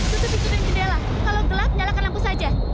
tutupi sudut jendela kalau gelap nyalakan lampu saja